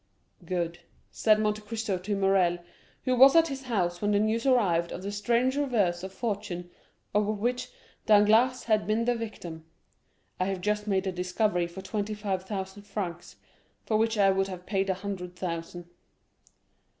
"Good," said Monte Cristo to Morrel, who was at his house when the news arrived of the strange reverse of fortune of which Danglars had been the victim, "I have just made a discovery for twenty five thousand francs, for which I would have paid a hundred thousand."